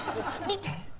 見て！